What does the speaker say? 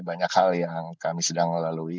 banyak hal yang kami sedang lalui